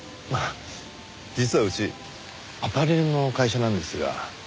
実はうちアパレルの会社なんですが。